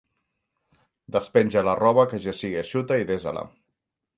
Despenja la roba que ja sigui eixuta i desa-la!